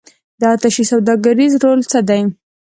د اتشې سوداګریز رول څه دی؟